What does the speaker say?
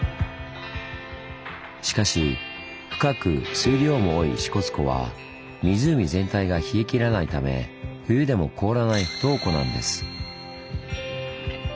しかし深く水量も多い支笏湖は湖全体が冷えきらないため冬でも凍らない「不凍湖」なんです。